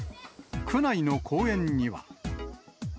区内の公園には。